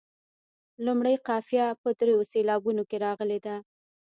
لومړۍ قافیه په دریو سېلابونو کې راغلې ده.